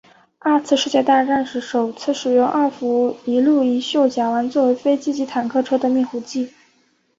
二次世界大战时首次使用二氟一氯一溴甲烷作为飞机及坦克车的灭火剂。